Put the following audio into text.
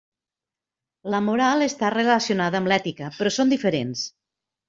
La moral està relacionada amb l'ètica, però són diferents.